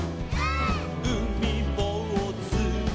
「うみぼうず」「」